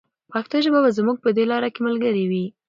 پښتو ژبه به زموږ په دې لاره کې ملګرې وي.